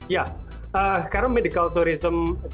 ya karena medical tourism itu sangat penting